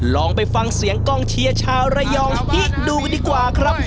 ลองไปฟังเสียงกองเชียร์ชาวระยองฮิตดูกันดีกว่าครับ